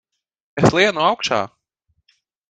Es lienu augšā!